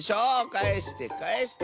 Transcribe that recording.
かえしてかえして！